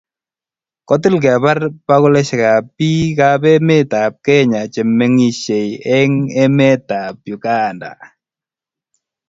kotil kebar bokolushek ab biik ab emet ab Kenya chemengishei eng emet ab Uganda